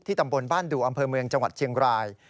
ตำบลบ้านดูอำเภอเมืองจังหวัดเชียงราย